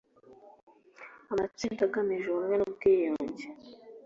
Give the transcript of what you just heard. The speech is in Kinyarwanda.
amatsinda agamije ubumwe n ubwiyunge